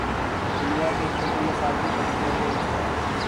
دنیا کی چھٹی یا ساتویں بڑی فوج اور اس کا